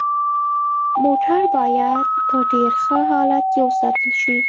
موټر باید په ډیر ښه حالت کې وساتل شي